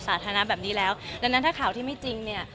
สาธารณะแบบนี้แล้วดังนั้นถ้าข่าวที่ไม่จริงเนี่ย